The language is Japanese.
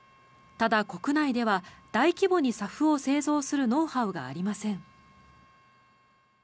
ただ、国内では大規模にＳＡＦを製造するノウハウがありません。